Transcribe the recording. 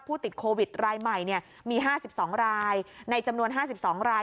ติดโควิดรายใหม่มี๕๒รายในจำนวน๕๒ราย